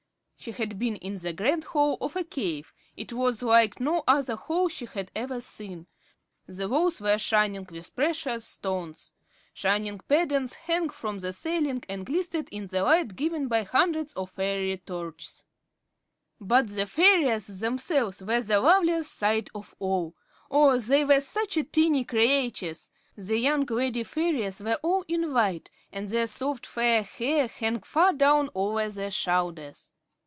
She had been in the grand hall of a cave. It was like no other hall she had ever seen. The walls were shining with precious stones. Shining pendants hung from the ceiling and glistened in the light given by hundreds of fairy torches. But the fairies themselves were the loveliest sight of all. Oh, they were such tiny creatures! The young lady fairies were all in white, and their soft, fair hair hung far down over their shoulders.